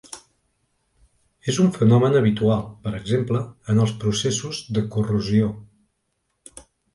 És un fenomen habitual, per exemple, en els processos de corrosió.